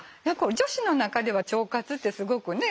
女子の中では腸活ってすごくね。